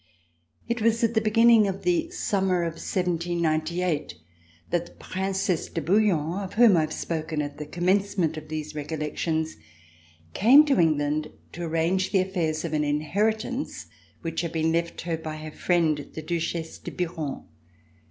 IT was at the beginning of the summer of 1798 that the Princesse de Bouillon, of whom I have spoken at the commencement of these Recollec tions, came to England to arrange the affairs of an inheritance which had been left her by her friend, the Duchesse de Biron.